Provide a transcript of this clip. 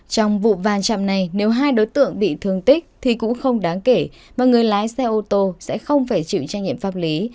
trong vụ va chạm này nếu hai đối tượng bị thương tích thì cũng không đáng kể mà người lái xe ô tô sẽ không phải chịu trách nhiệm pháp lý